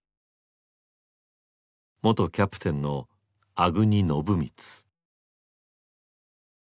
元キャプテンの粟國信光。